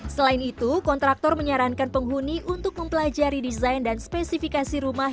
selain itu kontraktor menyarankan penghuni untuk mempelajari desain dan spesifikasi rumah